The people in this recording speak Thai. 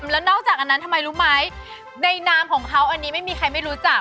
แล้วนอกจากอันนั้นทำไมรู้ไหมในนามของเขาอันนี้ไม่มีใครไม่รู้จัก